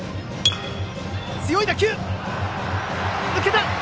強い打球、抜けた！